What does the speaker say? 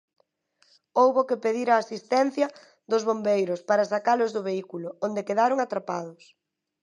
Houbo que pedir a asistencia dos bombeiros, para sacalos do vehículo, onde quedaron atrapados.